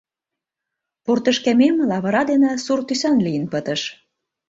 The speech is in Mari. Портышкемем лавыра дене сур тӱсан лийын пытыш.